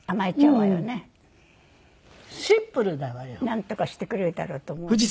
なんとかしてくれるだろうと思うでしょ。